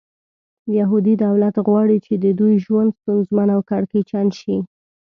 یهودي دولت غواړي چې د دوی ژوند ستونزمن او کړکېچن شي.